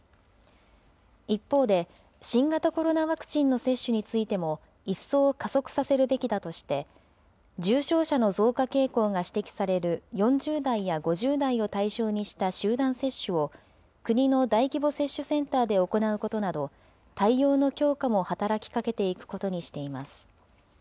一方で、新型コロナワクチンの接種についても、一層加速させるべきだとして、重症者の増加傾向が指摘される４０代や５０代を対象にした集団接種を国の大規模接種センターで行うことなど、対応の強化も働きかけていくことにしています。